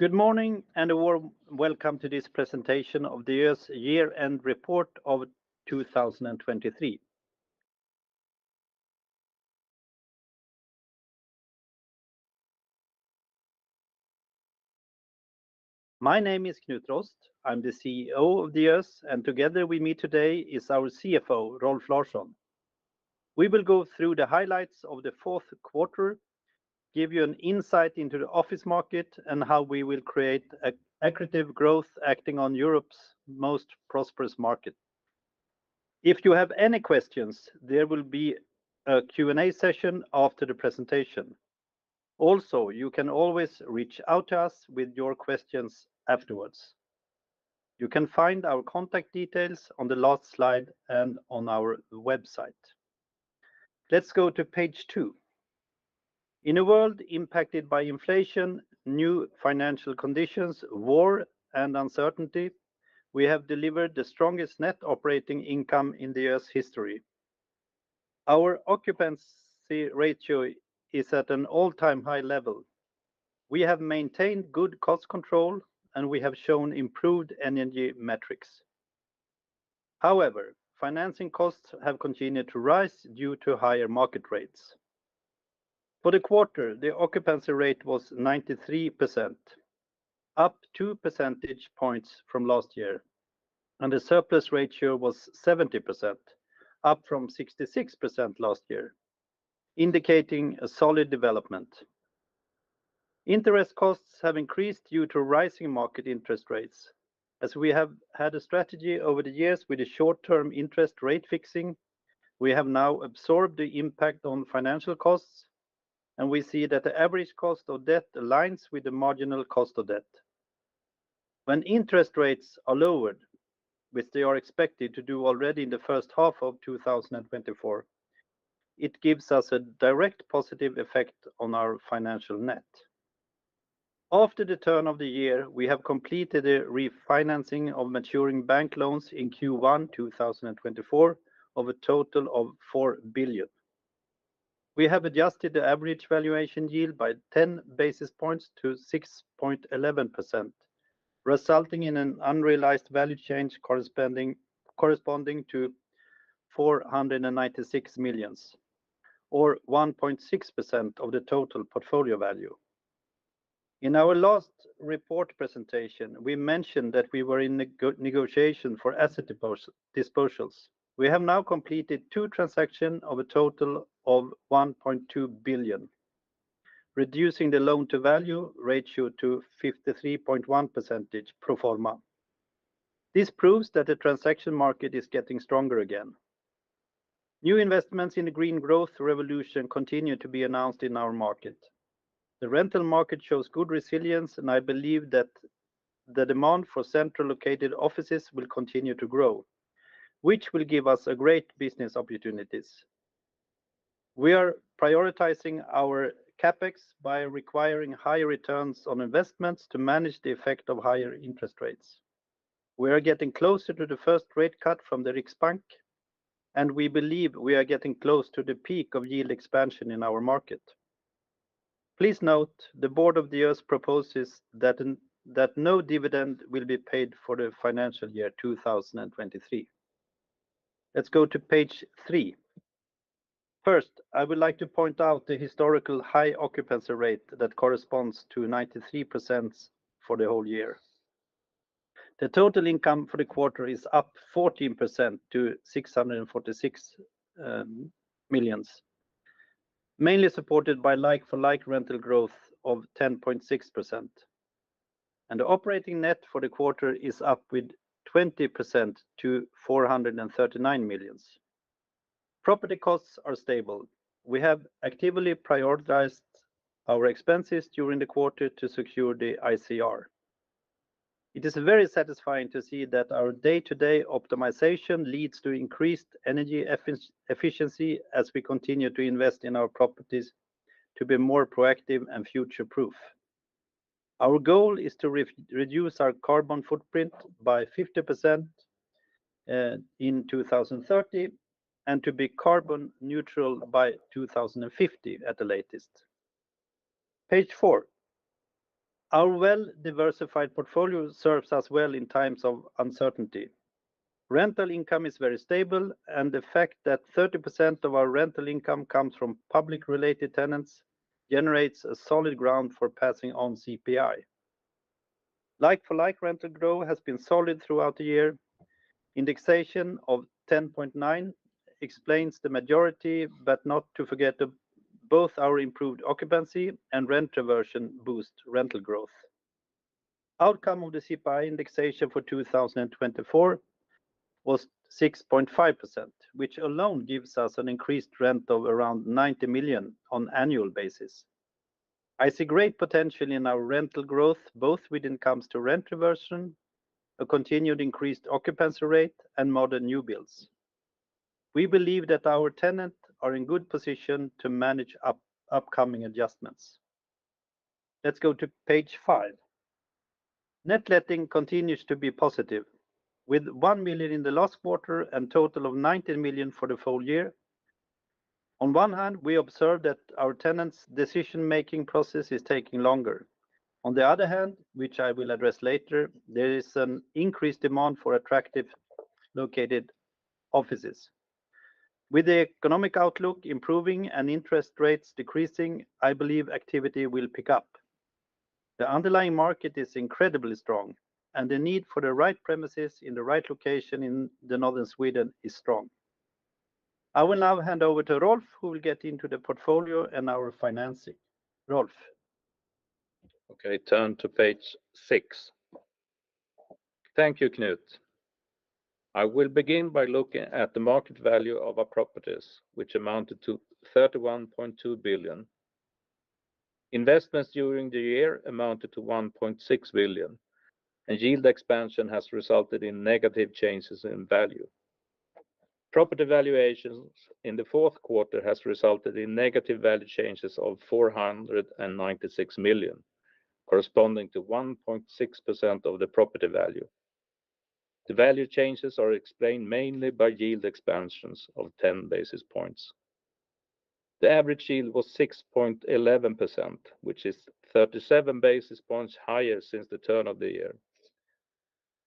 Good morning and a warm welcome to this presentation of Diös Year-End Report of 2023. My name is Knut Rost. I'm the CEO of Diös, and together with me today is our CFO, Rolf Larsson. We will go through the highlights of the fourth quarter, give you an insight into the office market, and how we will create accretive growth acting on Europe's most prosperous market. If you have any questions, there will be a Q&A session after the presentation. Also, you can always reach out to us with your questions afterwards. You can find our contact details on the last slide and on our website. Let's go to page two. In a world impacted by inflation, new financial conditions, war, and uncertainty, we have delivered the strongest net operating income in Diös history. Our occupancy ratio is at an all-time high level. We have maintained good cost control, and we have shown improved energy metrics. However, financing costs have continued to rise due to higher market rates. For the quarter, the occupancy rate was 93%, up two percentage points from last year, and the surplus ratio was 70%, up from 66% last year, indicating a solid development. Interest costs have increased due to rising market interest rates. As we have had a strategy over the years with the short-term interest rate fixing, we have now absorbed the impact on financial costs, and we see that the average cost of debt aligns with the marginal cost of debt. When interest rates are lowered, which they are expected to do already in the first half of 2024, it gives us a direct positive effect on our financial net. After the turn of the year, we have completed the refinancing of maturing bank loans in Q1 2024 of a total of 4 billion. We have adjusted the average valuation yield by 10 basis points to 6.11%, resulting in an unrealized value change corresponding to 496 million, or 1.6% of the total portfolio value. In our last report presentation, we mentioned that we were in negotiation for asset disposals. We have now completed two transactions of a total of 1.2 billion, reducing the loan-to-value ratio to 53.1% pro forma. This proves that the transaction market is getting stronger again. New investments in the green growth revolution continue to be announced in our market. The rental market shows good resilience, and I believe that the demand for centrally located offices will continue to grow, which will give us great business opportunities. We are prioritizing our CapEx by requiring higher returns on investments to manage the effect of higher interest rates. We are getting closer to the first rate cut from the Riksbank, and we believe we are getting close to the peak of yield expansion in our market. Please note, the board of Diös proposes that no dividend will be paid for the financial year 2023. Let's go to page three. First, I would like to point out the historical high occupancy rate that corresponds to 93% for the whole year. The total income for the quarter is up 14% to 646 million, mainly supported by like-for-like rental growth of 10.6%. And the operating net for the quarter is up with 20% to 439 million. Property costs are stable. We have actively prioritized our expenses during the quarter to secure the ICR. It is very satisfying to see that our day-to-day optimization leads to increased energy efficiency as we continue to invest in our properties to be more proactive and future-proof. Our goal is to reduce our carbon footprint by 50% in 2030 and to be carbon neutral by 2050 at the latest. Page four. Our well-diversified portfolio serves us well in times of uncertainty. Rental income is very stable, and the fact that 30% of our rental income comes from public-related tenants generates a solid ground for passing on CPI. Like-for-like rental growth has been solid throughout the year. Indexation of 10.9% explains the majority, but not to forget both our improved occupancy and rent reversion boost rental growth. Outcome of the CPI indexation for 2024 was 6.5%, which alone gives us an increased rent of around 90 million on annual basis. I see great potential in our rental growth, both with incomes to rent reversion, a continued increased occupancy rate, and modern new builds. We believe that our tenants are in good position to manage upcoming adjustments. Let's go to page five. Net letting continues to be positive, with 1 million in the last quarter and a total of 19 million for the full year. On one hand, we observe that our tenants' decision-making process is taking longer. On the other hand, which I will address later, there is an increased demand for attractive located offices. With the economic outlook improving and interest rates decreasing, I believe activity will pick up. The underlying market is incredibly strong, and the need for the right premises in the right location in northern Sweden is strong. I will now hand over to Rolf, who will get into the portfolio and our financing. Rolf. Okay, turn to page six. Thank you, Knut. I will begin by looking at the market value of our properties, which amounted to 31.2 billion. Investments during the year amounted to 1.6 billion, and yield expansion has resulted in negative changes in value. Property valuations in the fourth quarter have resulted in negative value changes of 496 million, corresponding to 1.6% of the property value. The value changes are explained mainly by yield expansions of 10 basis points. The average yield was 6.11%, which is 37 basis points higher since the turn of the year.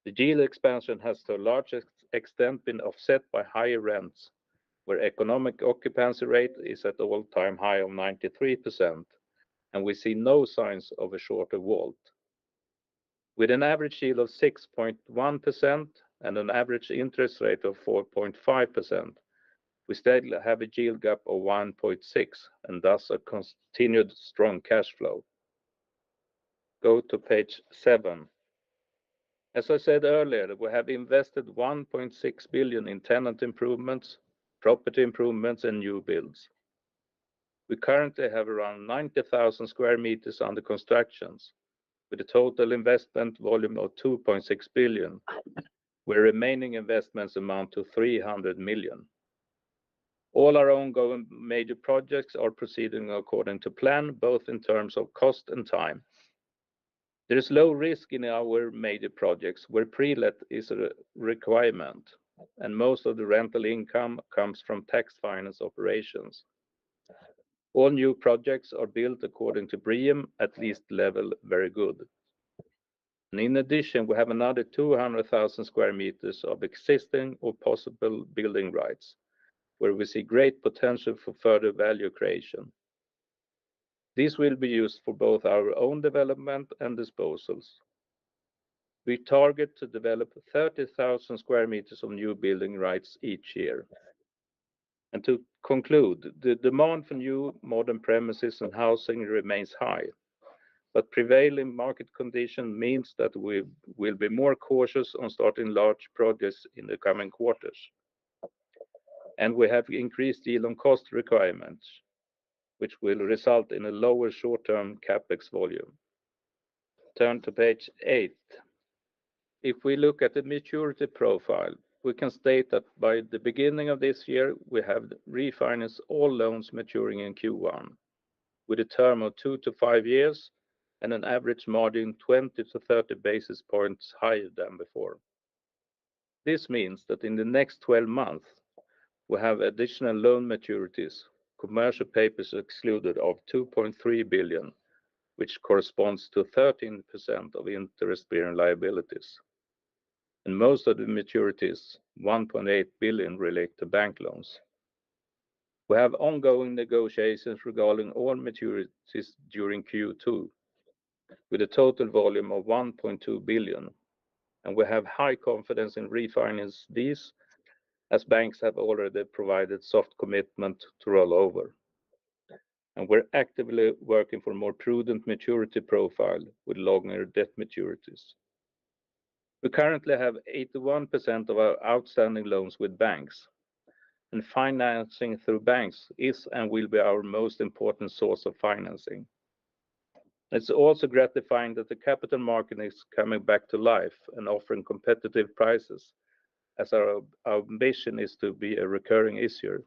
The yield expansion has to a large extent been offset by higher rents, where the economic occupancy rate is at an all-time high of 93%, and we see no signs of a shorter WALT. With an average yield of 6.1% and an average interest rate of 4.5%, we still have a yield gap of 1.6% and thus a continued strong cash flow. Go to page seven As I said earlier, we have invested 1.6 billion in tenant improvements, property improvements, and new builds. We currently have around 90,000 sqm under construction, with a total investment volume of 2.6 billion, where remaining investments amount to 300 million. All our ongoing major projects are proceeding according to plan, both in terms of cost and time. There is low risk in our major projects, where pre-let is a requirement, and most of the rental income comes from tax-finance operations. All new projects are built according to BREEAM, at least level Very Good. In addition, we have another 200,000 sqm of existing or possible building rights, where we see great potential for further value creation. These will be used for both our own development and disposals. We target to develop 30,000 sqm of new building rights each year. To conclude, the demand for new modern premises and housing remains high, but prevailing market condition means that we will be more cautious on starting large projects in the coming quarters. We have increased yield-on-cost requirements, which will result in a lower short-term CapEx volume. Turn to page eight. If we look at the maturity profile, we can state that by the beginning of this year, we have refinanced all loans maturing in Q1, with a term of two to five years and an average margin 20-30 basis points higher than before. This means that in the next 12 months, we have additional loan maturities, commercial papers excluded, of 2.3 billion, which corresponds to 13% of interest-bearing liabilities. Most of the maturities, 1.8 billion, relate to bank loans. We have ongoing negotiations regarding all maturities during Q2, with a total volume of 1.2 billion, and we have high confidence in refinancing these as banks have already provided soft commitment to roll over. We're actively working for a more prudent maturity profile with longer debt maturities. We currently have 81% of our outstanding loans with banks, and financing through banks is and will be our most important source of financing. It's also gratifying that the capital market is coming back to life and offering competitive prices, as our ambition is to be a recurring issuer.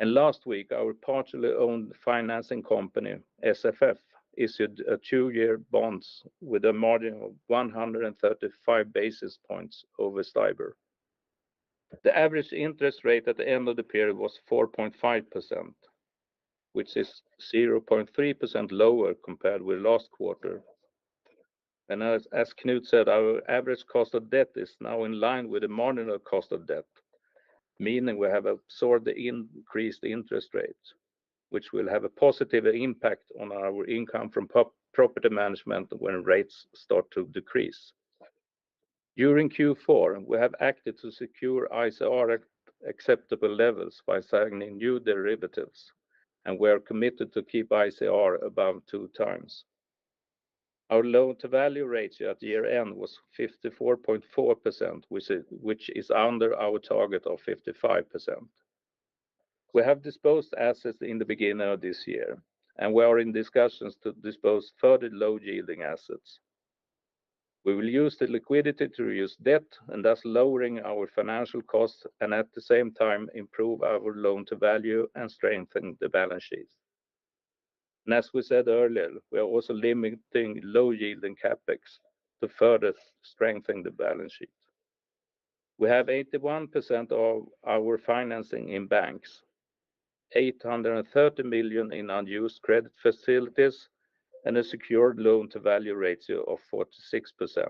Last week, our partially owned financing company, SFF, issued a two-year bond with a margin of 135 basis points over STIBOR. The average interest rate at the end of the period was 4.5%, which is 0.3% lower compared with last quarter. As Knut said, our average cost of debt is now in line with the marginal cost of debt, meaning we have absorbed the increased interest rates, which will have a positive impact on our income from property management when rates start to decrease. During Q4, we have acted to secure ICR acceptable levels by signing new derivatives, and we are committed to keep ICR above 2x. Our loan-to-value ratio at year-end was 54.4%, which is under our target of 55%. We have disposed assets in the beginning of this year, and we are in discussions to dispose further low-yielding assets. We will use the liquidity to reduce debt, and thus lower our financial costs, and at the same time improve our loan-to-value and strengthen the balance sheet. As we said earlier, we are also limiting low-yielding CapEx to further strengthen the balance sheet. We have 81% of our financing in banks, 830 million in unused credit facilities, and a secured loan-to-value ratio of 46%.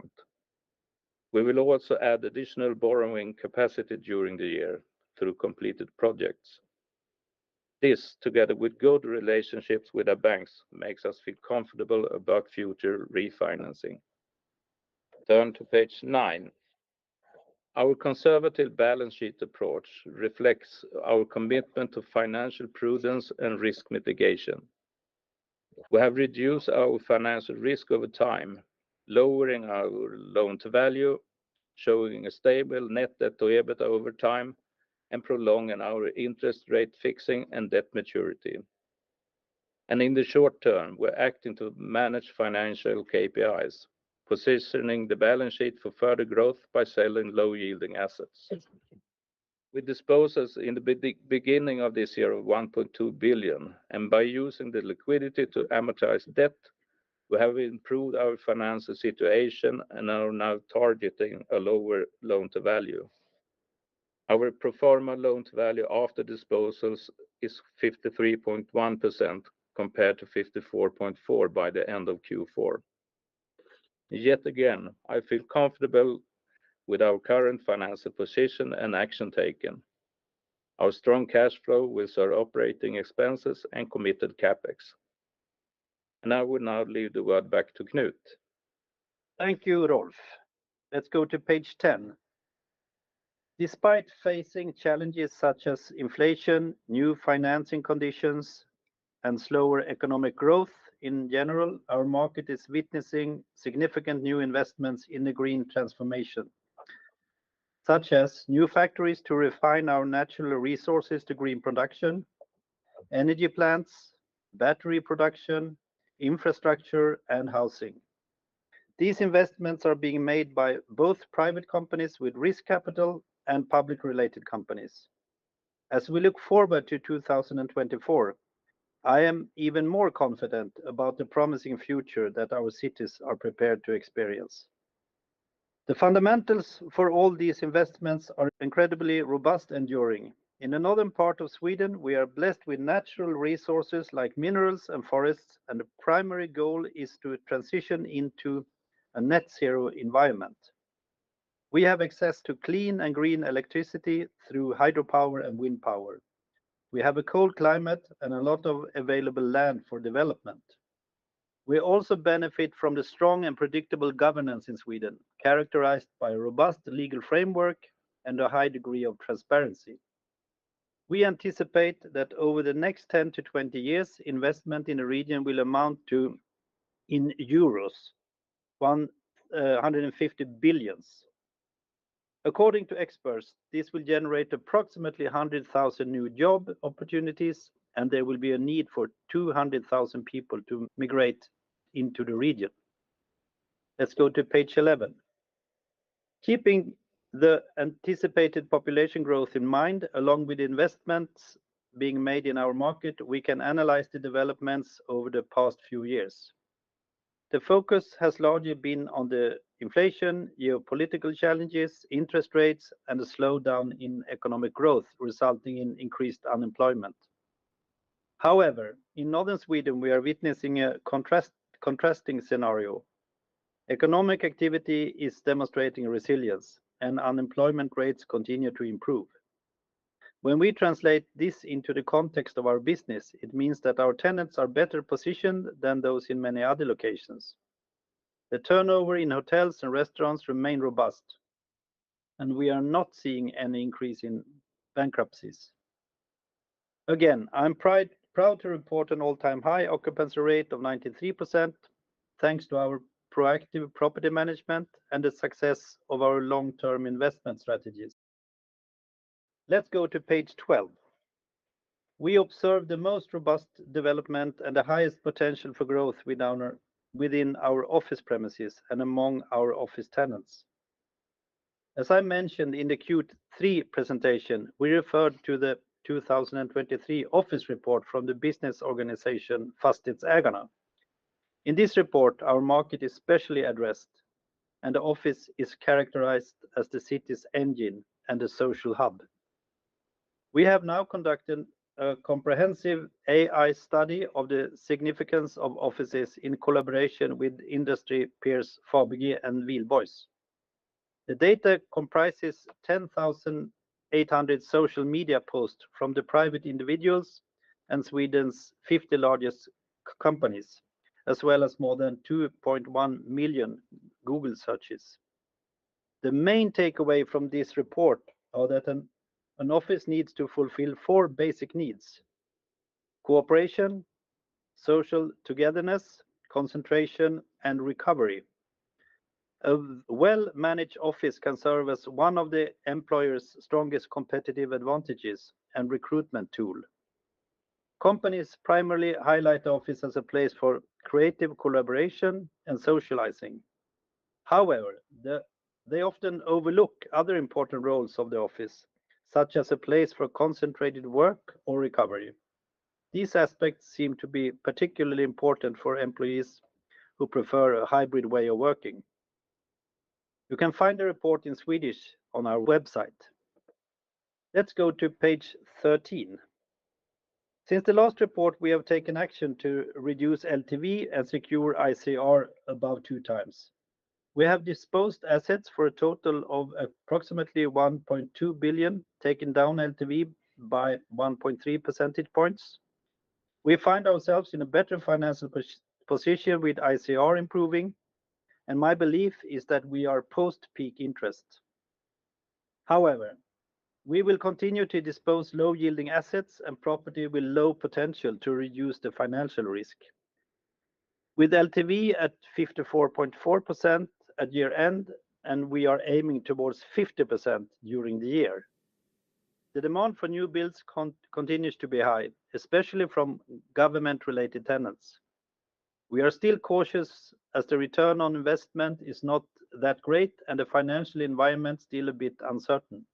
We will also add additional borrowing capacity during the year through completed projects. This, together with good relationships with our banks, makes us feel comfortable about future refinancing. Turn to page nine. Our conservative balance sheet approach reflects our commitment to financial prudence and risk mitigation. We have reduced our financial risk over time, lowering our loan-to-value, showing a stable net debt to EBITDA over time, and prolonging our interest rate fixing and debt maturity. In the short term, we're acting to manage financial KPIs, positioning the balance sheet for further growth by selling low-yielding assets. We disposed in the beginning of this year of 1.2 billion, and by using the liquidity to amortize debt, we have improved our financial situation and are now targeting a lower loan-to-value. Our pro forma loan-to-value after disposals is 53.1% compared to 54.4% by the end of Q4. Yet again, I feel comfortable with our current financial position and action taken, our strong cash flow with our operating expenses and committed CapEx. I would now leave the word back to Knut. Thank you, Rolf. Let's go to page 10. Despite facing challenges such as inflation, new financing conditions, and slower economic growth in general, our market is witnessing significant new investments in the green transformation, such as new factories to refine our natural resources to green production, energy plants, battery production, infrastructure, and housing. These investments are being made by both private companies with risk capital and public-related companies. As we look forward to 2024, I am even more confident about the promising future that our cities are prepared to experience. The fundamentals for all these investments are incredibly robust and enduring. In the northern part of Sweden, we are blessed with natural resources like minerals and forests, and the primary goal is to transition into a net-zero environment. We have access to clean and green electricity through hydropower and wind power. We have a cold climate and a lot of available land for development. We also benefit from the strong and predictable governance in Sweden, characterized by a robust legal framework and a high degree of transparency. We anticipate that over the next 10-20 years, investment in the region will amount to euros 150 billion. According to experts, this will generate approximately 100,000 new job opportunities, and there will be a need for 200,000 people to migrate into the region. Let's go to page 11. Keeping the anticipated population growth in mind, along with investments being made in our market, we can analyze the developments over the past few years. The focus has largely been on the inflation, geopolitical challenges, interest rates, and a slowdown in economic growth, resulting in increased unemployment. However, in northern Sweden, we are witnessing a contrasting scenario. Economic activity is demonstrating resilience, and unemployment rates continue to improve. When we translate this into the context of our business, it means that our tenants are better positioned than those in many other locations. The turnover in hotels and restaurants remains robust, and we are not seeing any increase in bankruptcies. Again, I'm proud to report an all-time high occupancy rate of 93%, thanks to our proactive property management and the success of our long-term investment strategies. Let's go to page 12. We observe the most robust development and the highest potential for growth within our office premises and among our office tenants. As I mentioned in the Q3 presentation, we referred to the 2023 office report from the business organization Fastighetsägarna. In this report, our market is specially addressed, and the office is characterized as the city's engine and the social hub. We have now conducted a comprehensive AI study of the significance of offices in collaboration with industry peers Fabege and Wihlborgs. The data comprises 10,800 social media posts from private individuals and Sweden's 50 largest companies, as well as more than 2.1 million Google searches. The main takeaway from this report is that an office needs to fulfill four basic needs: cooperation, social togetherness, concentration, and recovery. A well-managed office can serve as one of the employer's strongest competitive advantages and recruitment tool. Companies primarily highlight the office as a place for creative collaboration and socializing. However, they often overlook other important roles of the office, such as a place for concentrated work or recovery. These aspects seem to be particularly important for employees who prefer a hybrid way of working. You can find the report in Swedish on our website. Let's go to page 13. Since the last report, we have taken action to reduce LTV and secure ICR above 2x. We have disposed assets for a total of approximately 1.2 billion, taken down LTV by 1.3 percentage points. We find ourselves in a better financial position with ICR improving, and my belief is that we are post-peak interest. However, we will continue to dispose of low-yielding assets and property with low potential to reduce the financial risk, with LTV at 54.4% at year-end, and we are aiming towards 50% during the year. The demand for new builds continues to be high, especially from government-related tenants. We are still cautious as the return on investment is not that great and the financial environment is still a bit uncertain.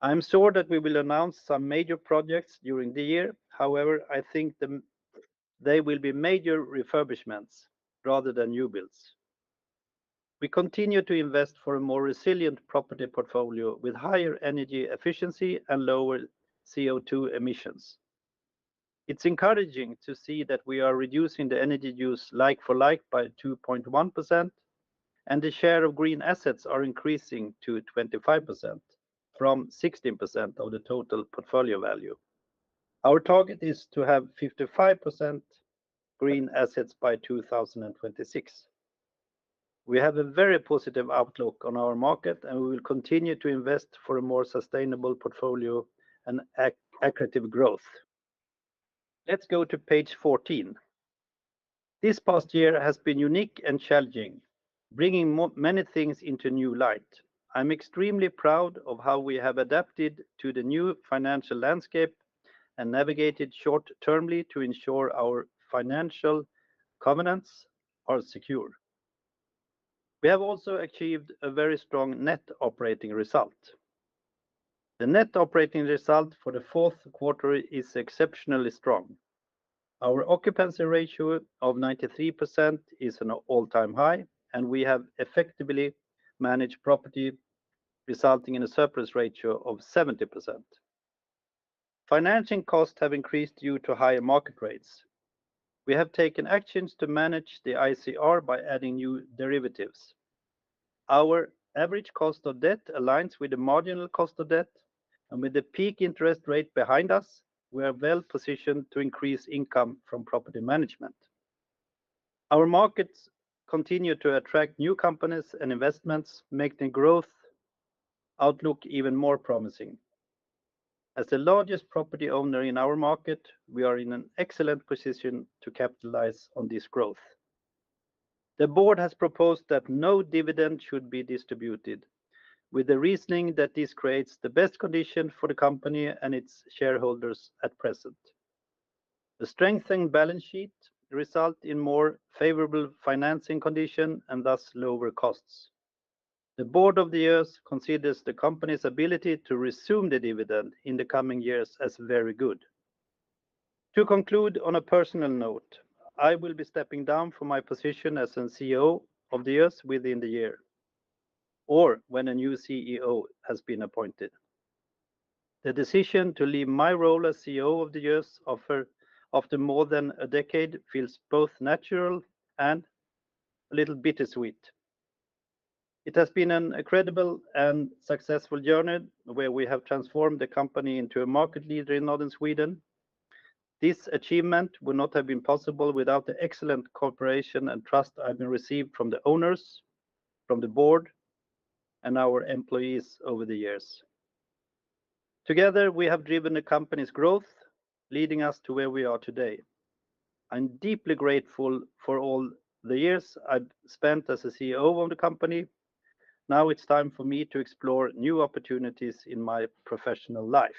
I'm sure that we will announce some major projects during the year; however, I think they will be major refurbishments rather than new builds. We continue to invest for a more resilient property portfolio with higher energy efficiency and lower CO2 emissions. It's encouraging to see that we are reducing the energy use like-for-like by 2.1%, and the share of green assets is increasing to 25% from 16% of the total portfolio value. Our target is to have 55% green assets by 2026. We have a very positive outlook on our market, and we will continue to invest for a more sustainable portfolio and attractive growth. Let's go to page 14. This past year has been unique and challenging, bringing many things into new light. I'm extremely proud of how we have adapted to the new financial landscape and navigated short-termly to ensure our financial covenants are secure. We have also achieved a very strong net operating result. The net operating result for the fourth quarter is exceptionally strong. Our occupancy ratio of 93% is an all-time high, and we have effectively managed property, resulting in a surplus ratio of 70%. Financing costs have increased due to higher market rates. We have taken actions to manage the ICR by adding new derivatives. Our average cost of debt aligns with the marginal cost of debt, and with the peak interest rate behind us, we are well positioned to increase income from property management. Our markets continue to attract new companies and investments, making the growth outlook even more promising. As the largest property owner in our market, we are in an excellent position to capitalize on this growth. The board has proposed that no dividend should be distributed, with the reasoning that this creates the best condition for the company and its shareholders at present. The strengthened balance sheet results in more favorable financing conditions and thus lower costs. The board of Diös considers the company's ability to resume the dividend in the coming years as very good. To conclude on a personal note, I will be stepping down from my position as CEO of Diös within the year or when a new CEO has been appointed. The decision to leave my role as CEO of Diös after more than a decade feels both natural and a little bittersweet. It has been an incredible and successful journey where we have transformed the company into a market leader in northern Sweden. This achievement would not have been possible without the excellent cooperation and trust I've received from the owners, from the board, and our employees over the years. Together, we have driven the company's growth, leading us to where we are today. I'm deeply grateful for all the years I've spent as a CEO of the company. Now it's time for me to explore new opportunities in my professional life.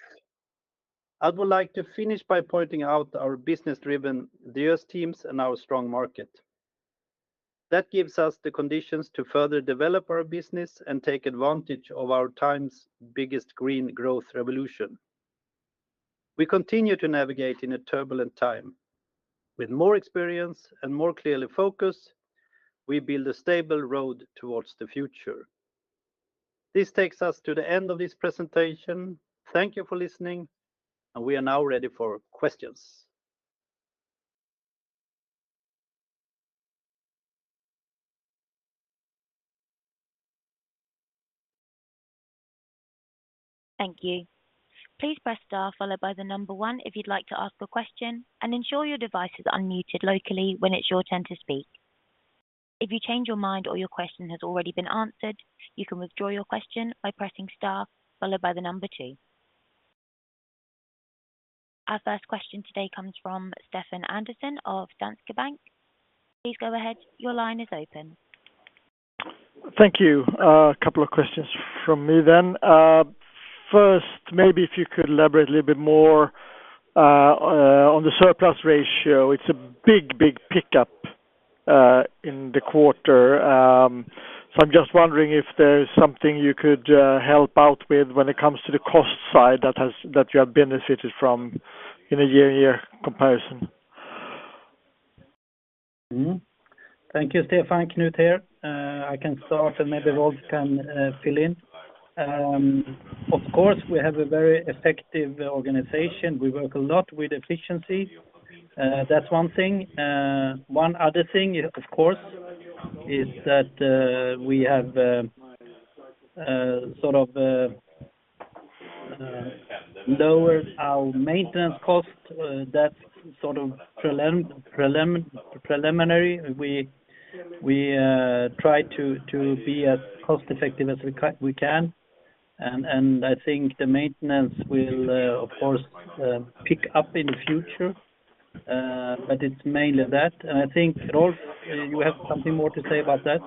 I would like to finish by pointing out our business-driven Diös teams and our strong market. That gives us the conditions to further develop our business and take advantage of our time's biggest green growth revolution. We continue to navigate in a turbulent time. With more experience and more clear focus, we build a stable road towards the future. This takes us to the end of this presentation. Thank you for listening, and we are now ready for questions. Thank you. Please press star, followed by the number one if you'd like to ask a question, and ensure your device is unmuted locally when it's your turn to speak. If you change your mind or your question has already been answered, you can withdraw your question by pressing star, followed by the number two. Our first question today comes from Stefan Andersson of Danske Bank. Please go ahead. Your line is open. Thank you. A couple of questions from me then. First, maybe if you could elaborate a little bit more on the surplus ratio. It's a big, big pickup in the quarter. So I'm just wondering if there's something you could help out with when it comes to the cost side that you have benefited from in a year-to-year comparison. Thank you, Stefan. Knut here. I can start, and maybe Rolf can fill in. Of course, we have a very effective organization. We work a lot with efficiency. That's one thing. One other thing, of course, is that we have sort of lowered our maintenance cost. That's sort of preliminary. We try to be as cost-effective as we can. And I think the maintenance will, of course, pick up in the future, but it's mainly that. And I think, Rolf, you have something more to say about that?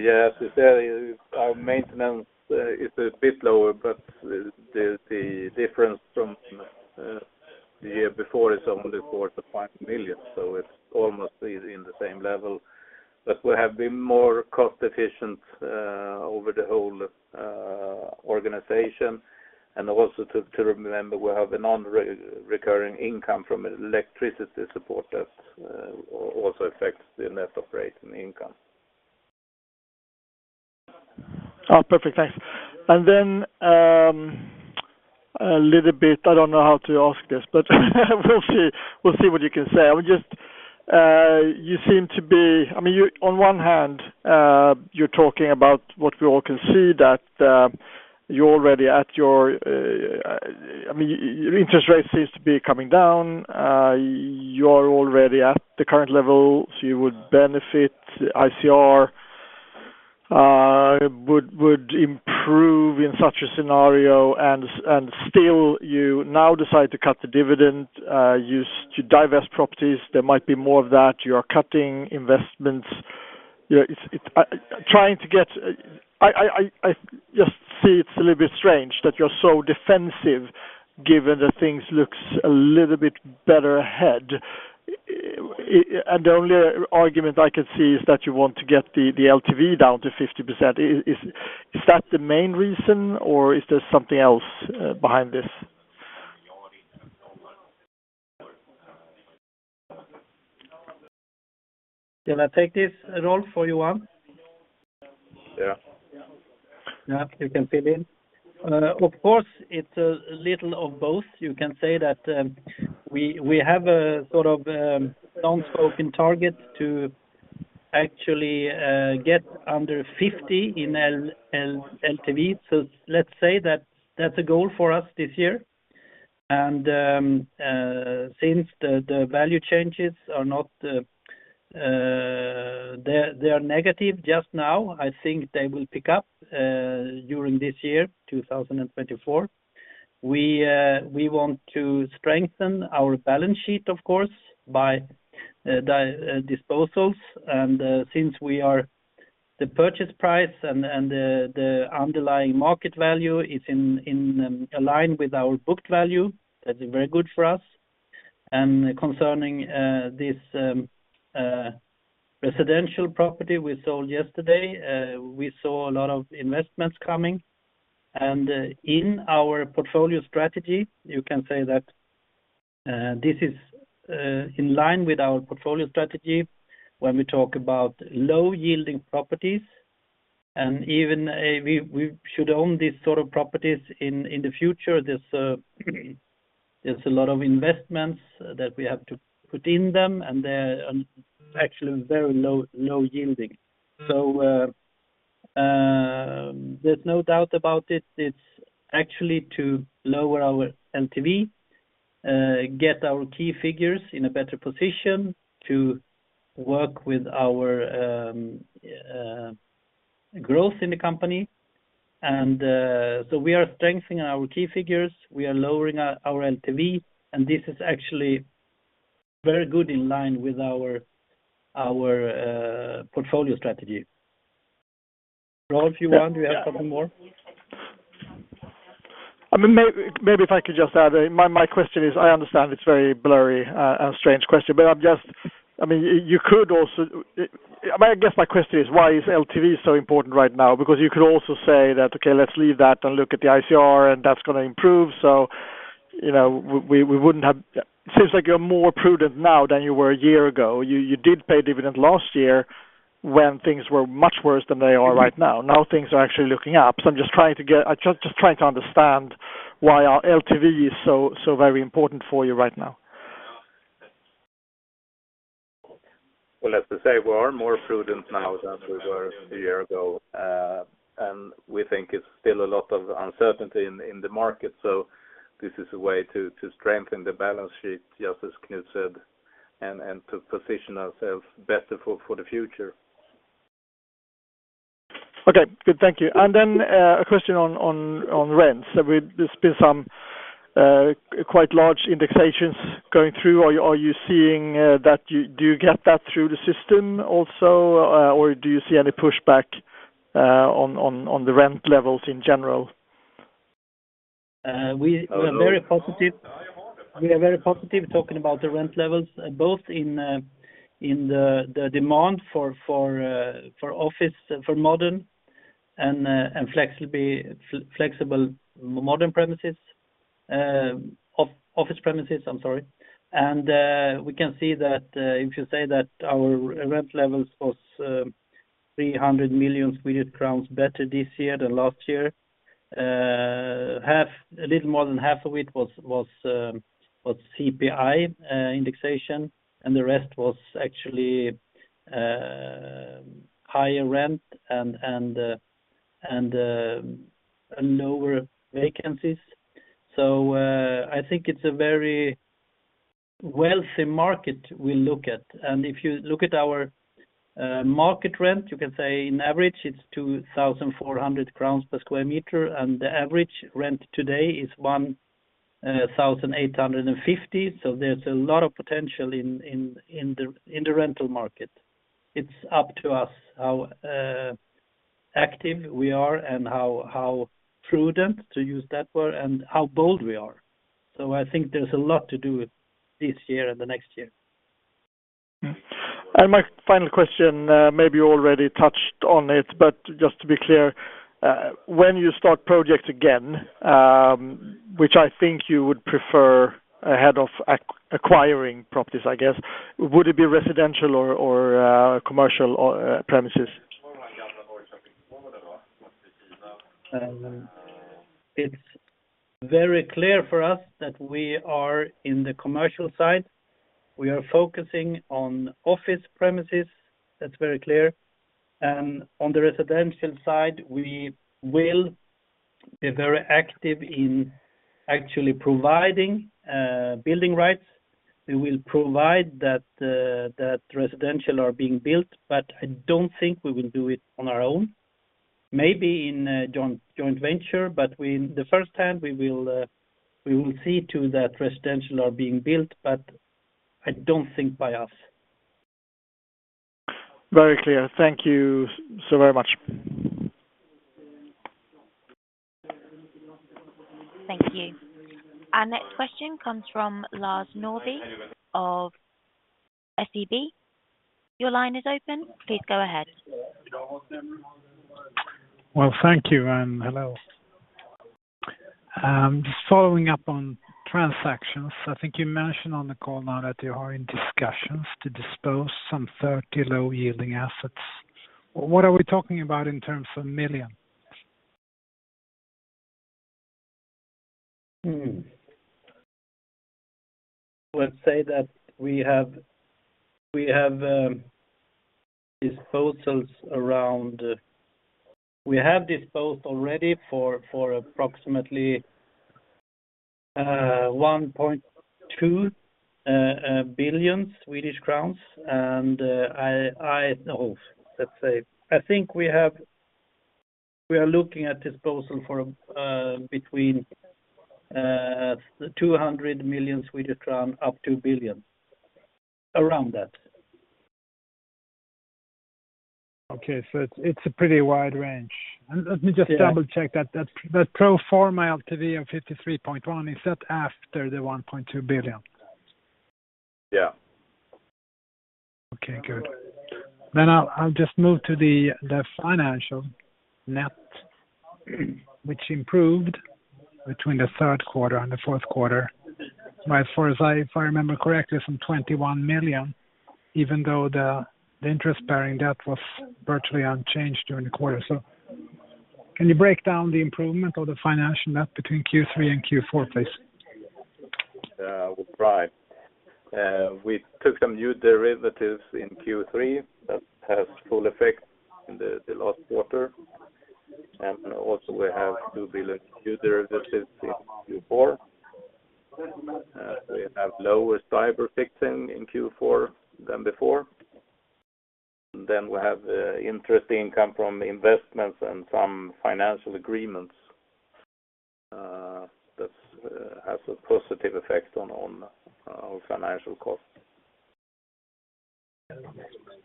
Yes. As I said, our maintenance is a bit lower, but the difference from the year before is only 4 million-5 million, so it's almost in the same level. But we have been more cost-efficient over the whole organization. And also to remember, we have a non-recurring income from electricity support that also affects the net operating income. Oh, perfect. Thanks. And then a little bit I don't know how to ask this, but we'll see what you can say. You seem to be I mean, on one hand, you're talking about what we all can see, that you're already at your I mean, your interest rate seems to be coming down. You are already at the current level, so you would benefit. ICR would improve in such a scenario. And still, you now decide to cut the dividend. You divest properties. There might be more of that. You are cutting investments. Trying to get I just see it's a little bit strange that you're so defensive given that things look a little bit better ahead. And the only argument I can see is that you want to get the LTV down to 50%. Is that the main reason, or is there something else behind this? Can I take this, Rolf or Johan? Yeah. Yeah. You can fill in. Of course, it's a little of both. You can say that we have a sort of non-scoping target to actually get under 50% in LTV. So let's say that that's a goal for us this year. And since the value changes are negative just now, I think they will pick up during this year, 2024. We want to strengthen our balance sheet, of course, by disposals. And since we are the purchase price and the underlying market value is in line with our booked value, that's very good for us. And concerning this residential property we sold yesterday, we saw a lot of investments coming. And in our portfolio strategy, you can say that this is in line with our portfolio strategy when we talk about low-yielding properties. And even we should own these sort of properties in the future. There's a lot of investments that we have to put in them, and they're actually very low-yielding. So there's no doubt about it. It's actually to lower our LTV, get our key figures in a better position, to work with our growth in the company. And so we are strengthening our key figures. We are lowering our LTV. And this is actually very good in line with our portfolio strategy. Rolf, Johan, do you have something more? I mean, maybe if I could just add, my question is, I understand it's a very blurry and strange question, but I'm just, I mean, you could also, I guess my question is, why is LTV so important right now? Because you could also say that, "Okay, let's leave that and look at the ICR, and that's going to improve." So we wouldn't have, it seems like you're more prudent now than you were a year ago. You did pay dividend last year when things were much worse than they are right now. Now things are actually looking up. So I'm just trying to get, I'm just trying to understand why our LTV is so very important for you right now. Well, as I say, we are more prudent now than we were a year ago. We think it's still a lot of uncertainty in the market. This is a way to strengthen the balance sheet, just as Knut said, and to position ourselves better for the future. Okay. Good. Thank you. And then a question on rents. There's been some quite large indexations going through. Are you seeing that, do you get that through the system also, or do you see any pushback on the rent levels in general? We are very positive. We are very positive talking about the rent levels, both in the demand for modern and flexible modern premises office premises, I'm sorry. And we can see that if you say that our rent levels was 300 million Swedish crowns better this year than last year, a little more than half of it was CPI indexation, and the rest was actually higher rent and lower vacancies. So I think it's a very wealthy market we look at. And if you look at our market rent, you can say, in average, it's 2,400 crowns/sqm. And the average rent today is 1,850/sqm. So there's a lot of potential in the rental market. It's up to us how active we are and how prudent, to use that word, and how bold we are. I think there's a lot to do this year and the next year. My final question, maybe you already touched on it, but just to be clear, when you start projects again, which I think you would prefer ahead of acquiring properties, I guess, would it be residential or commercial premises? It's very clear for us that we are in the commercial side. We are focusing on office premises. That's very clear. On the residential side, we will be very active in actually providing building rights. We will provide that residential are being built, but I don't think we will do it on our own. Maybe in joint venture, but in the first hand, we will see to that residential are being built, but I don't think by us. Very clear. Thank you so very much. Thank you. Our next question comes from Lars Arlebäck of SEB. Your line is open. Please go ahead. Well, thank you and hello. Just following up on transactions. I think you mentioned on the call now that you are in discussions to dispose some 30 low-yielding assets. What are we talking about in terms of million? Let's say that we have disposals around. We have disposed already for approximately 1.2 billion Swedish crowns. Let's say, I think we are looking at disposal between SEK 200 million-SEK 1 billion, around that. Okay. It's a pretty wide range. Let me just double-check. That pro forma LTV of 53.1%, is that after the 1.2 billion? Yeah. Okay. Good. Then I'll just move to the financial net, which improved between the third quarter and the fourth quarter. As far as I remember correctly, 21 million, even though the interest-bearing debt was virtually unchanged during the quarter. So can you break down the improvement of the financial net between Q3 and Q4, please? We'll try. We took some new derivatives in Q3 that has full effect in the last quarter. And also, we have 2 billion new derivatives in Q4. We have lower STIBOR fixing in Q4 than before. And then we have interest income from investments and some financial agreements that has a positive effect on our financial cost.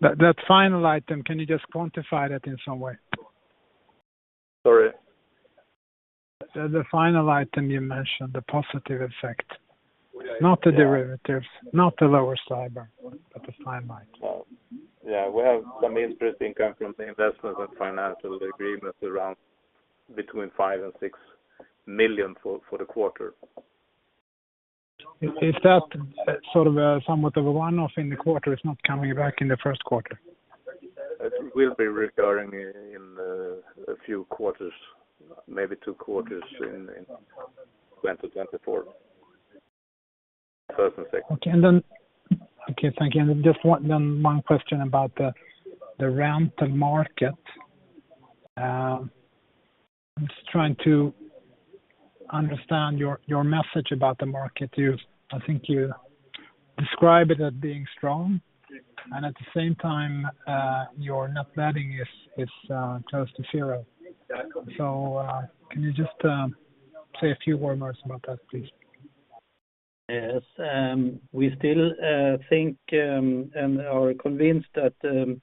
That final item, can you just quantify that in some way? Sorry? The final item you mentioned, the positive effect. Not the derivatives, not the lower STIBOR, but the final item. Yeah. We have some interest income from the investments and financial agreements around between 5 million and 6 million for the quarter. Is that sort of somewhat of a one-off in the quarter? It's not coming back in the first quarter? It will be recurring in a few quarters, maybe two quarters in 2024. First and second. Okay. Okay. Thank you. And then one question about the rental market. I'm just trying to understand your message about the market. I think you describe it as being strong, and at the same time, your net letting is close to zero. So can you just say a few words more about that, please? Yes. We still think and are convinced that the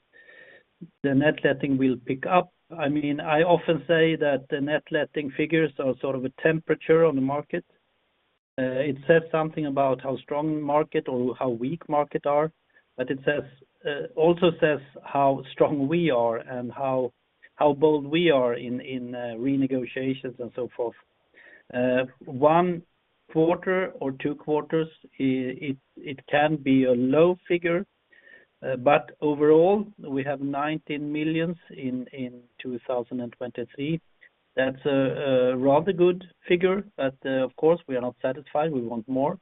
net letting will pick up. I mean, I often say that the net letting figures are sort of a temperature on the market. It says something about how strong market or how weak market are, but it also says how strong we are and how bold we are in renegotiations and so forth. One quarter or two quarters, it can be a low figure. But overall, we have 19 million in 2023. That's a rather good figure. But of course, we are not satisfied. We want more.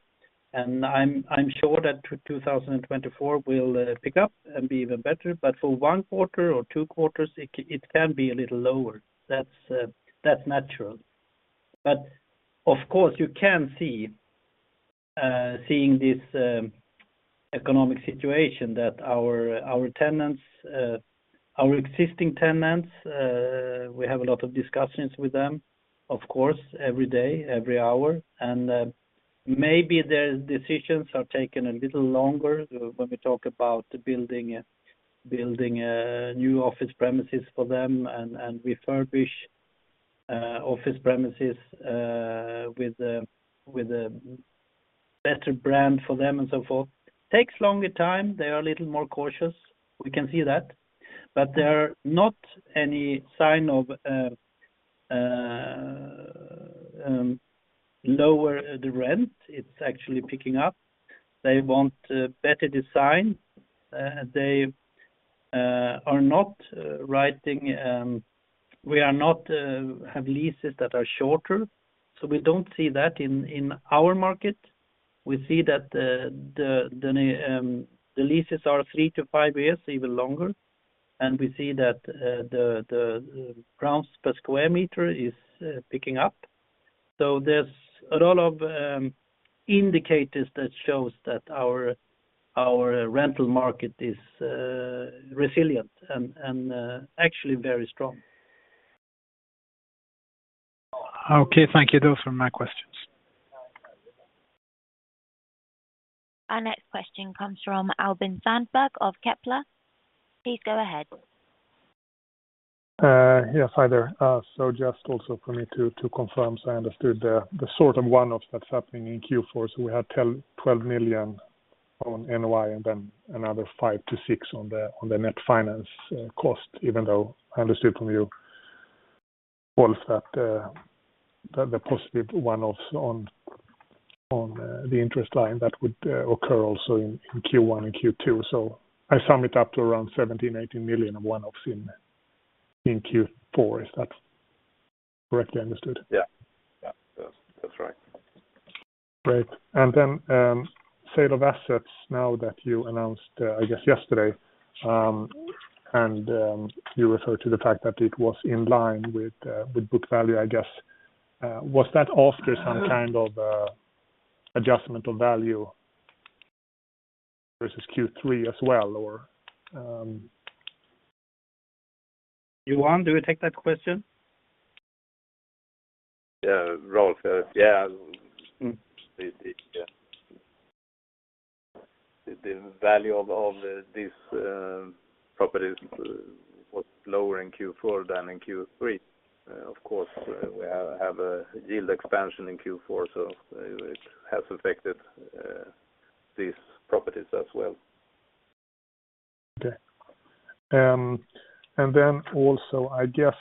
And I'm sure that 2024 will pick up and be even better. But for one quarter or two quarters, it can be a little lower. That's natural. But of course, you can see this economic situation that our tenants, our existing tenants, we have a lot of discussions with them, of course, every day, every hour. And maybe their decisions are taken a little longer when we talk about building new office premises for them and refurbish office premises with a better brand for them and so forth. It takes longer. They are a little more cautious. We can see that. But there are not any sign of lower the rent. It's actually picking up. They want better design. They are not writing we have leases that are shorter. So we don't see that in our market. We see that the leases are three to five years, even longer. And we see that the kronor per square meter is picking up. There's a lot of indicators that shows that our rental market is resilient and actually very strong. Okay. Thank you, though, for my questions. Our next question comes from Albin Sandberg of Kepler. Please go ahead. Yes, hi there. So just also for me to confirm, so I understood the sort of one-offs that's happening in Q4. So we had 12 million on NOI and then another 5 million-6 million on the net finance cost, even though I understood from you, Rolf, that the positive one-offs on the interest line, that would occur also in Q1 and Q2. So I sum it up to around 17 million-18 million of one-offs in Q4, if that's correctly understood. Yeah. Yeah. That's right. Great. And then sale of assets now that you announced, I guess, yesterday, and you referred to the fact that it was in line with book value, I guess, was that after some kind of adjustment of value versus Q3 as well, or? Johan, do you take that question? Yeah. Rolf, yeah. The value of this property was lower in Q4 than in Q3. Of course, we have a yield expansion in Q4, so it has affected these properties as well. Okay. And then also, I guess,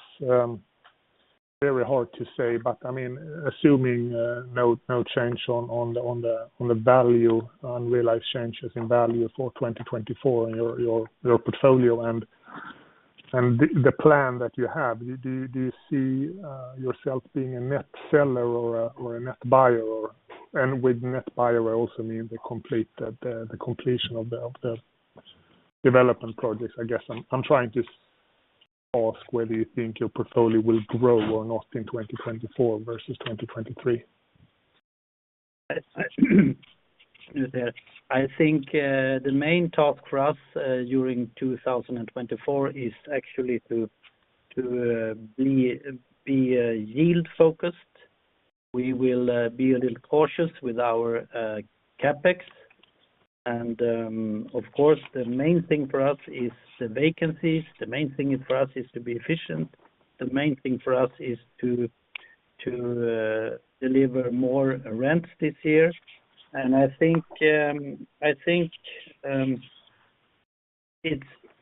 very hard to say, but I mean, assuming no change on the value, unrealized changes in value for 2024 in your portfolio and the plan that you have, do you see yourself being a net seller or a net buyer? And with net buyer, I also mean the completion of the development projects, I guess. I'm trying to ask whether you think your portfolio will grow or not in 2024 versus 2023. I think the main task for us during 2024 is actually to be yield-focused. We will be a little cautious with our CapEx. Of course, the main thing for us is the vacancies. The main thing for us is to be efficient. The main thing for us is to deliver more rents this year. I think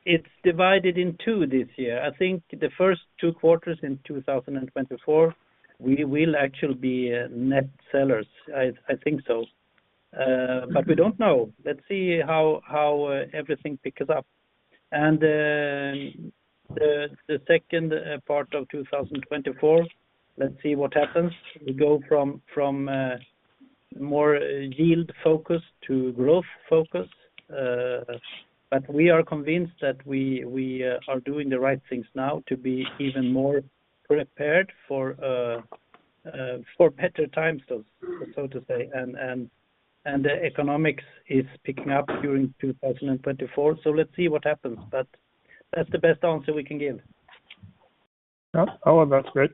it's divided in two this year. I think the first two quarters in 2024, we will actually be net sellers. I think so. But we don't know. Let's see how everything picks up. The second part of 2024, let's see what happens. We go from more yield-focused to growth-focused. But we are convinced that we are doing the right things now to be even more prepared for better times, so to say. The economy is picking up during 2024. So let's see what happens. That's the best answer we can give. Oh, that's great.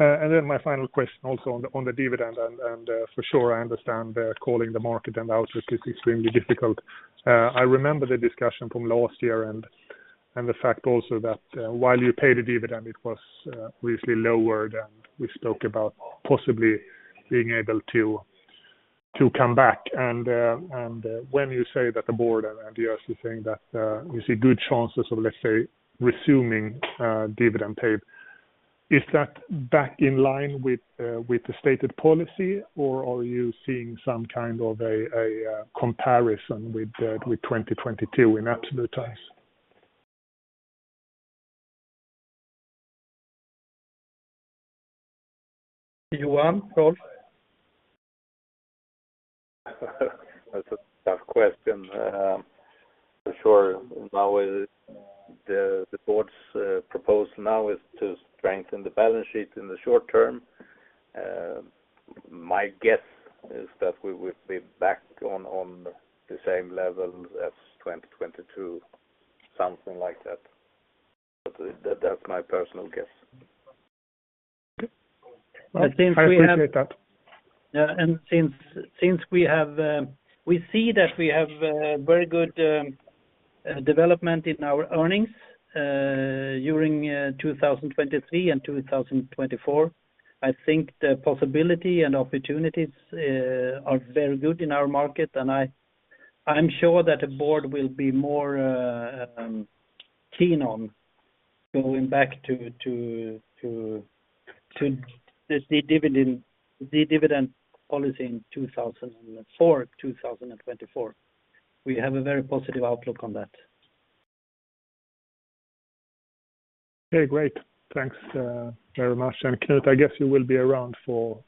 And then my final question also on the dividend. And for sure, I understand calling the market and outlook is extremely difficult. I remember the discussion from last year and the fact also that while you paid a dividend, it was obviously lower than we spoke about possibly being able to come back. And when you say that the board and Diös is saying that you see good chances of, let's say, resuming dividend paid, is that back in line with the stated policy, or are you seeing some kind of a comparison with 2022 in absolute terms? Johan, Rolf? That's a tough question. For sure, now the board's proposal now is to strengthen the balance sheet in the short term. My guess is that we will be back on the same levels as 2022, something like that. But that's my personal guess. Yeah. I appreciate that. Yeah. And since we see that we have very good development in our earnings during 2023 and 2024, I think the possibility and opportunities are very good in our market. And I'm sure that the board will be more keen on going back to the dividend policy in 2004, 2024. We have a very positive outlook on that. Okay. Great. Thanks very much. And Knut, I guess you will be around for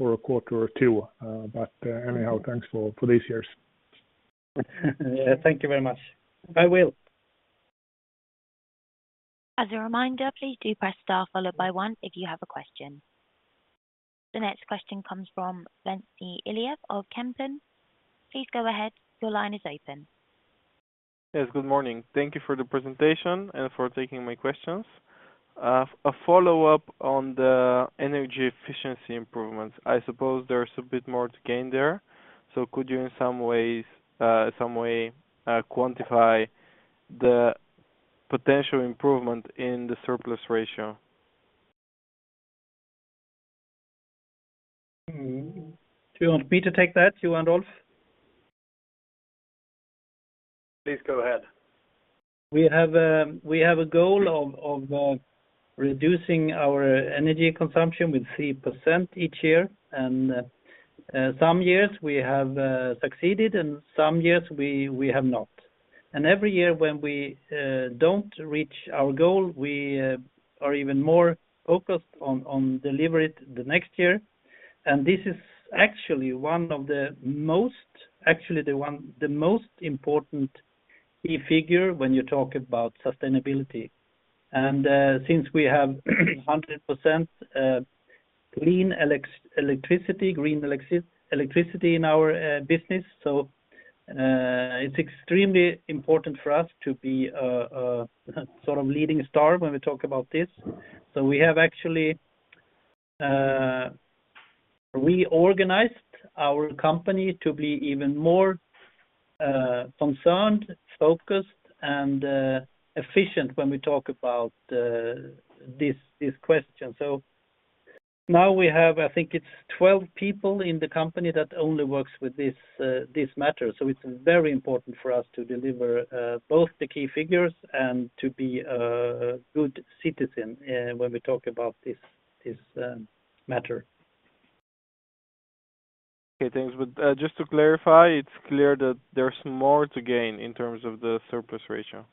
a quarter or two. But anyhow, thanks for these years. Yeah. Thank you very much. I will. As a reminder, please do press star followed by one if you have a question. The next question comes from John Vuong of Kempen. Please go ahead. Your line is open. Yes. Good morning. Thank you for the presentation and for taking my questions. A follow-up on the energy efficiency improvements. I suppose there's a bit more to gain there. So could you in some way quantify the potential improvement in the surplus ratio? Do you want me to take that, Johan, Rolf? Please go ahead. We have a goal of reducing our energy consumption with 3% each year. Some years, we have succeeded, and some years, we have not. Every year when we don't reach our goal, we are even more focused on deliver it the next year. This is actually one of the most actually, the most important key figure when you talk about sustainability. Since we have 100% clean electricity, green electricity in our business, so it's extremely important for us to be sort of leading star when we talk about this. We have actually reorganized our company to be even more concerned, focused, and efficient when we talk about this question. Now we have, I think it's 12 people in the company that only works with this matter. It's very important for us to deliver both the key figures and to be a good citizen when we talk about this matter. Okay. Thanks. But just to clarify, it's clear that there's more to gain in terms of the surplus ratio.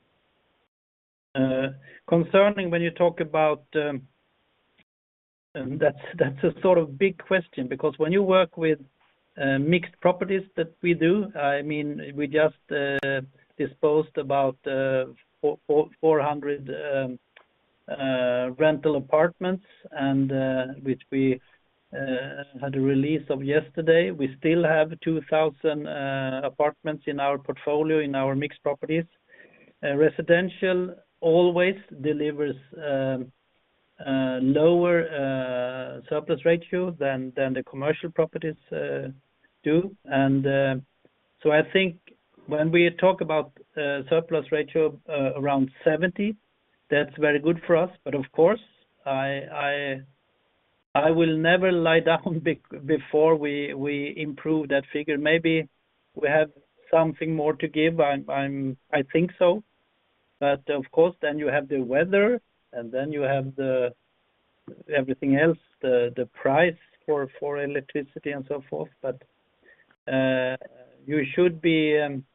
Concerning when you talk about, that's a sort of big question because when you work with mixed properties that we do, I mean, we just disposed about 400 rental apartments, which we had a release of yesterday. We still have 2,000 apartments in our portfolio in our mixed properties. Residential always delivers a lower surplus ratio than the commercial properties do. And so I think when we talk about surplus ratio around 70%, that's very good for us. But of course, I will never lie down before we improve that figure. Maybe we have something more to give. I think so. But of course, then you have the weather, and then you have everything else, the price for electricity and so forth. But you should know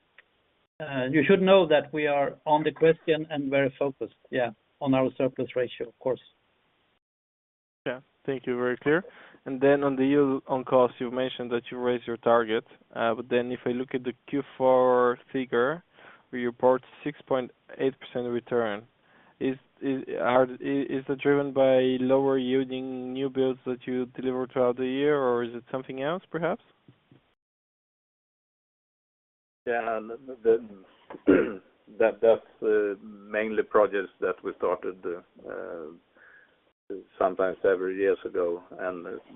that we are on the question and very focused, yeah, on our surplus ratio, of course. Yeah. Thank you. Very clear. And then on the yield on cost, you've mentioned that you raised your target. But then if I look at the Q4 figure, we report 6.8% return. Is that driven by lower yielding new builds that you deliver throughout the year, or is it something else, perhaps? Yeah. That's mainly projects that we started sometimes several years ago.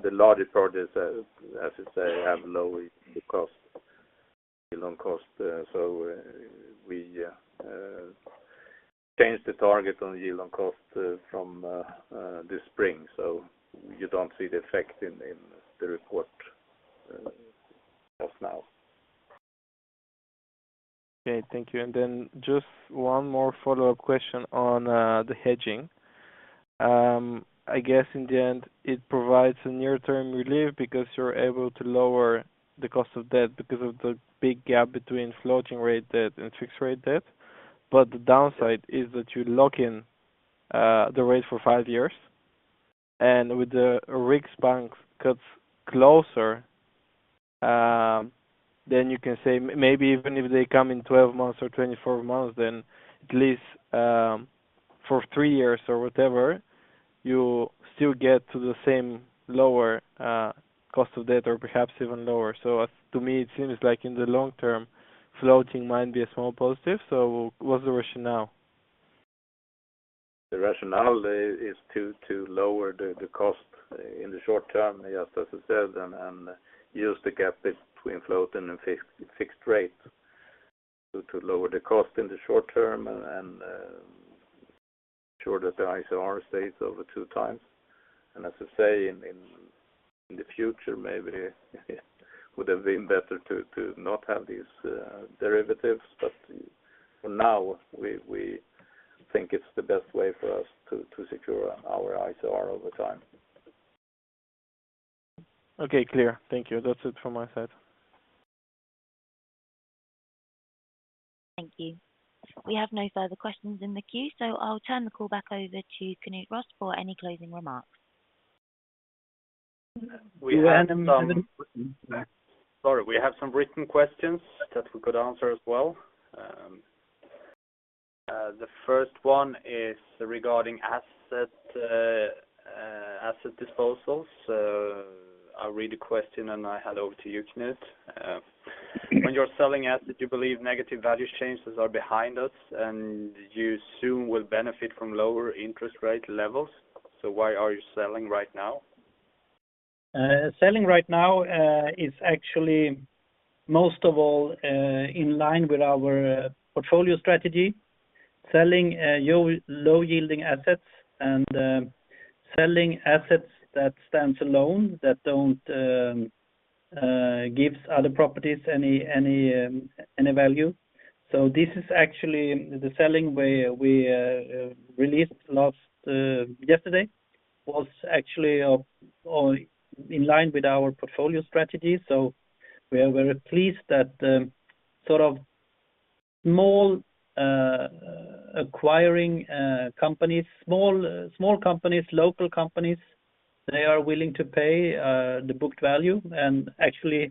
The larger projects, as you say, have lower yield on cost. We changed the target on yield on cost from this spring. You don't see the effect in the report just now. Okay. Thank you. And then just one more follow-up question on the hedging. I guess in the end, it provides a near-term relief because you're able to lower the cost of debt because of the big gap between floating-rate debt and fixed-rate debt. But the downside is that you lock in the rate for five years. And with the Riksbank's cuts closer, then you can say maybe even if they come in 12 months or 24 months, then at least for three years or whatever, you still get to the same lower cost of debt or perhaps even lower. So to me, it seems like in the long term, floating might be a small positive. So what's the rationale? The rationale is to lower the cost in the short term, just as you said, and use the gap between floating and fixed rate to lower the cost in the short term and make sure that the ICR stays over 2x. As I say, in the future, maybe it would have been better to not have these derivatives. For now, we think it's the best way for us to secure our ICR over time. Okay. Clear. Thank you. That's it from my side. Thank you. We have no further questions in the queue, so I'll turn the call back over to Knut Rost for any closing remarks. We have some written questions that we could answer as well. The first one is regarding asset disposals. I'll read the question, and I'll hand over to you, Knut. When you're selling assets, you believe negative value changes are behind us, and you soon will benefit from lower interest rate levels. So why are you selling right now? Selling right now is actually most of all in line with our portfolio strategy, selling low-yielding assets and selling assets that stand alone, that don't give other properties any value. So this is actually the selling we released last yesterday was actually in line with our portfolio strategy. So we are very pleased that sort of small acquiring companies, small companies, local companies, they are willing to pay the booked value and actually,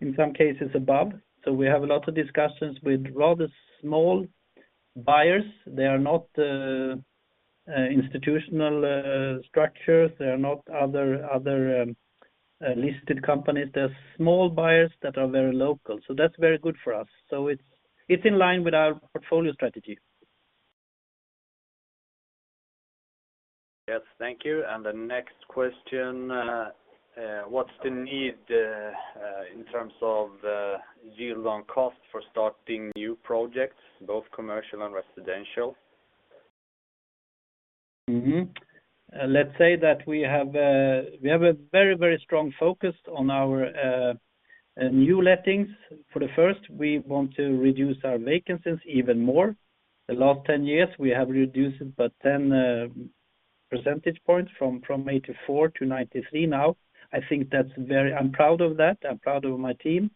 in some cases, above. So we have a lot of discussions with rather small buyers. They are not institutional structures. They are not other listed companies. They're small buyers that are very local. So that's very good for us. So it's in line with our portfolio strategy. Yes. Thank you. And the next question, what's the need in terms of yield on cost for starting new projects, both commercial and residential? Let's say that we have a very, very strong focus on our new lettings. For the first, we want to reduce our vacancies even more. The last 10 years, we have reduced it by 10 percentage points from 84% to 93% now. I think that's very. I'm proud of that. I'm proud of my team.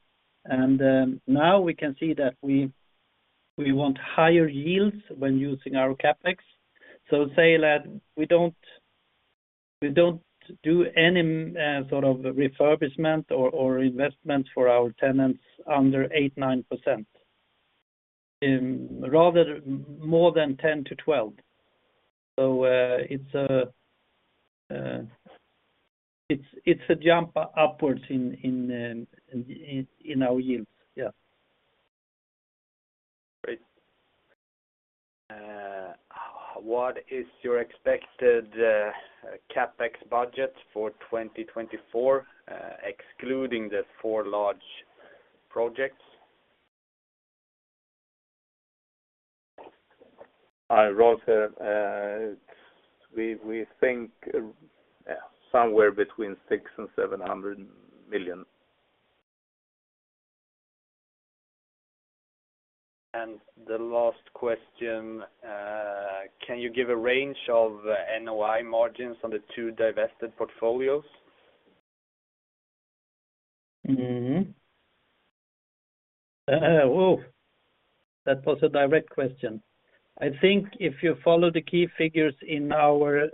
And now we can see that we want higher yields when using our CapEx. So say that we don't do any sort of refurbishment or investments for our tenants under 8%-9%, rather more than 10%-12%. So it's a jump upwards in our yields. Yeah. Great. What is your expected CapEx budget for 2024, excluding the four large projects? Rolf, we think somewhere between 600 million and 700 million. And the last question, can you give a range of NOI margins on the two divested portfolios? Whoa. That was a direct question. I think if you follow the key figures in our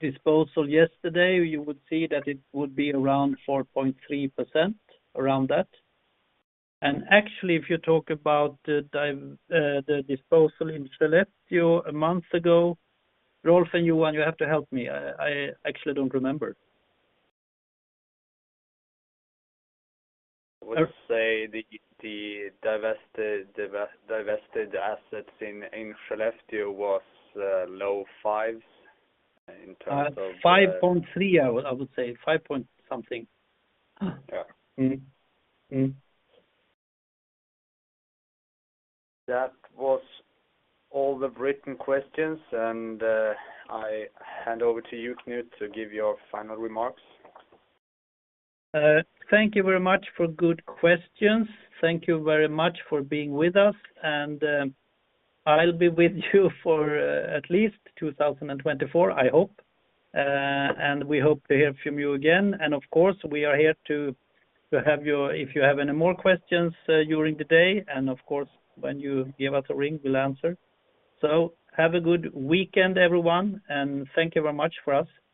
disposal yesterday, you would see that it would be around 4.3%, around that. And actually, if you talk about the disposal in Diös a month ago, Rolf and Johan, you have to help me. I actually don't remember. I would say the divested assets in Diös was low 5% in terms of. 5.3%, I would say. 5 point something. Yeah. That was all the written questions. I'll hand over to you, Knut, to give your final remarks. Thank you very much for good questions. Thank you very much for being with us. I'll be with you for at least 2024, I hope. We hope to hear from you again. Of course, we are here to have your if you have any more questions during the day. Of course, when you give us a ring, we'll answer. Have a good weekend, everyone. Thank you very much for us.